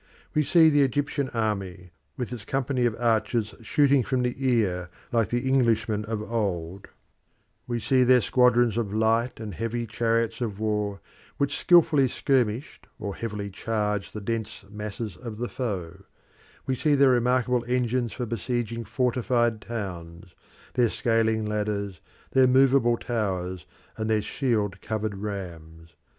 We see the Egyptian army, with its companies of archers shooting from the ear like the Englishmen of old; we see their squadrons of light and heavy chariots of war, which skilfully skirmished or heavily charged the dense masses of the foe; we see their remarkable engines for besieging fortified towns, their scaling ladders, their movable towers, and their shield covered rams.